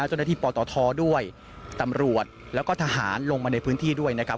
เจ้าหน้าที่ปตทด้วยตำรวจแล้วก็ทหารลงมาในพื้นที่ด้วยนะครับ